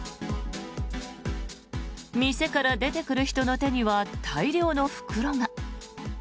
店から出てくる人の手には大量の袋が。